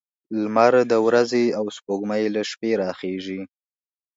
لمر د ورځې او سپوږمۍ له شپې راخيژي